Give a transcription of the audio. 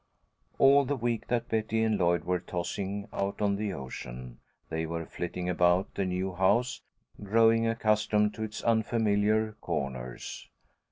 All the week that Betty and Lloyd were tossing out on the ocean, they were flitting about the new house, growing accustomed to its unfamiliar corners.